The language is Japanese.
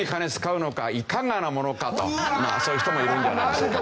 まあそういう人もいるんじゃないですか。